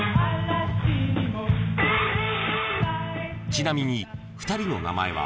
［ちなみに２人の名前は］